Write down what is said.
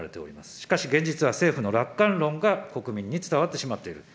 しかし、現実は政府の楽観論が国民に伝わってしまっている。